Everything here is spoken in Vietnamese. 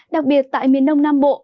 đặc biệt tại miền đông nam bộ